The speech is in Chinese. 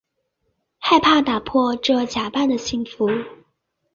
害怕打破这假扮的幸福